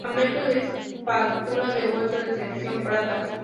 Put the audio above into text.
Fragmento de espátula de hueso de sección plana.